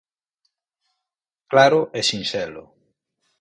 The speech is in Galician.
Claro e sinxelo.